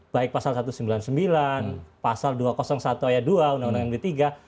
baik pasal satu ratus sembilan puluh sembilan pasal dua ratus satu ayat dua undang undang md tiga